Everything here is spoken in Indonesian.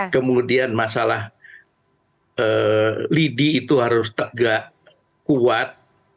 kemudian masalah lidi itu harus tegak kuat